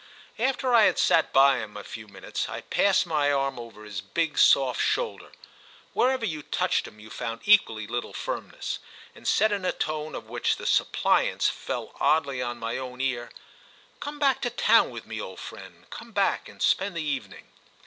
After I had sat by him a few minutes I passed my arm over his big soft shoulder—wherever you touched him you found equally little firmness—and said in a tone of which the suppliance fell oddly on my own ear: "Come back to town with me, old friend—come back and spend the evening."